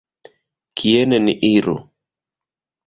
Kien ni iru?